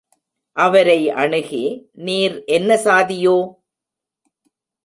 அவரை அணுகி நீர் என்ன சாதியோ?